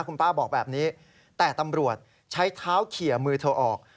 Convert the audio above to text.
คุณป้าบอกแบบนี้แต่ตำรวจใช้เท้าเขี่ยมือเธอออก